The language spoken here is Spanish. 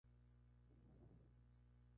El actor estadounidense Freddie Prinze, Jr.